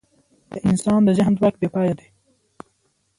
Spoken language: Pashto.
د انسان د ذهن ځواک بېپایه دی.